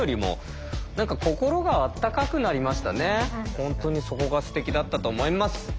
本当にそこがすてきだったと思います。